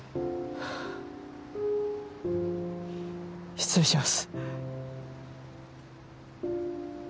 失礼します。